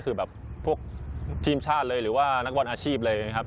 คือแบบพวกทีมชาติเลยหรือว่านักบอลอาชีพเลยนะครับ